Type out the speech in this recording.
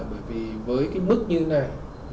bởi vì với mức như này